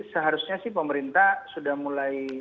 seharusnya sih pemerintah sudah mulai